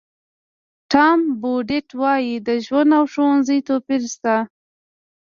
ټام بوډیټ وایي د ژوند او ښوونځي توپیر شته.